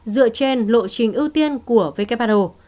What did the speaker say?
dựa trên lộ trình ưu tiên của who